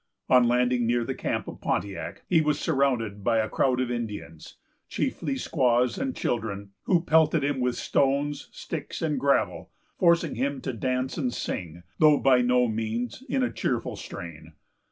On landing near the camp of Pontiac, he was surrounded by a crowd of Indians, chiefly squaws and children, who pelted him with stones, sticks, and gravel, forcing him to dance and sing, though by no means in a cheerful strain.